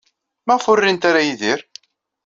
Maɣef ur rint ara Yidir?